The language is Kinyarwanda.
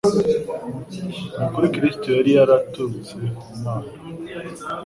Ni ukuri Kristo yari yaraturutse ku Mana,